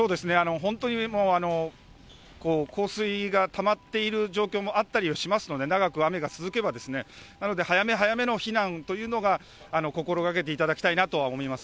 本当に降水がたまっている状況もあったりもしますので、長く雨が続けばですね、なので早め早めの避難というのが、心がけていただきたいなと思います。